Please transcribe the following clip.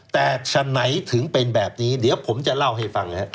แต่ฉะไหนถึงเป็นแบบนี้เดี๋ยวผมจะเล่าให้ฟังนะครับ